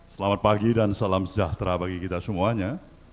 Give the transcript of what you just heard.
selamat pagi dan salam sejahtera bagi kita semuanya